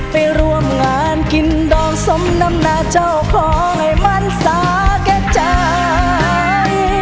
ไปร่วมงานกินดองสมน้ำนาเจ้าของให้มันสาแก่ใจ